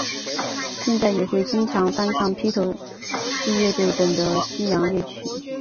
现在也会经常翻唱披头四乐队等的西洋乐曲。